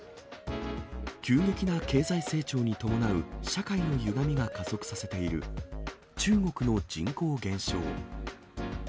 急激な経済成長に伴う社会のゆがみが加速させている中国の人口減少。